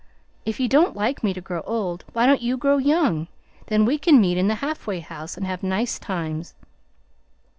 If you don't like me to grow old, why don't you grow young? Then we can meet in the halfway house and have nice times.